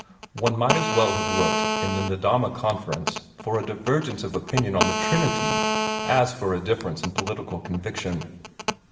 One might as well have looked in the Nedahma Conference for a divergence of opinion on the Trinity as for a difference in political conviction.